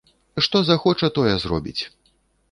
Што захоча, тое зробіць.